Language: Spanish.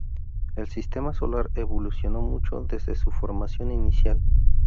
El sistema solar evolucionó mucho desde su formación inicial.